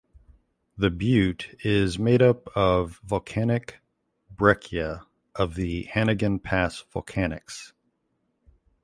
The butte is made up of volcanic breccia of the Hannegan Pass Volcanics.